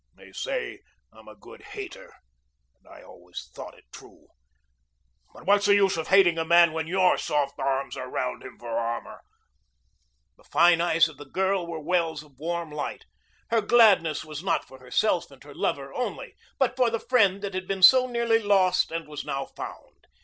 They say I'm a good hater, and I always thought it true. But what's the use of hating a man when your soft arms are round him for an armor?" The fine eyes of the girl were wells of warm light. Her gladness was not for herself and her lover only, but for the friend that had been so nearly lost and was now found.